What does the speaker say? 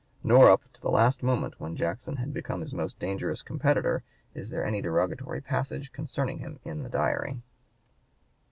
Nor up to the last moment, and when Jackson had become his most dangerous competitor, is there any derogatory passage concerning him in the Diary.